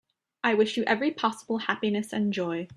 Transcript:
I wish you every possible happiness and joy.